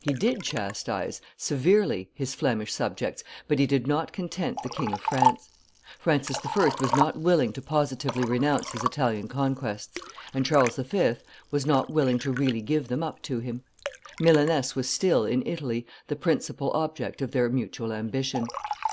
He did chastise, severely, his Flemish subjects, but he did not content the King of France. Francis I. was not willing to positively renounce his Italian conquests, and Charles V. was not willing to really give them up to him. Milaness was still, in Italy, the principal object of their mutual ambition.